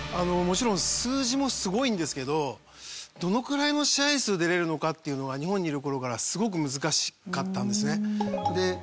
もちろん数字もすごいんですけどどのくらいの試合数出られるのかっていうのは日本にいる頃からすごく難しかったんですね。